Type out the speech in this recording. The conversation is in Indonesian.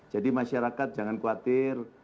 jadi masyarakat jangan khawatir